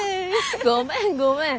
ごめんごめん。